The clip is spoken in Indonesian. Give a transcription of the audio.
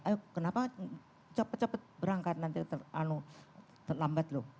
ayo kenapa cepat cepat berangkat nanti terlambat loh